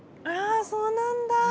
ああそうなんだ！